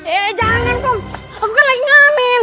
eh jangan aku kan lagi ngamen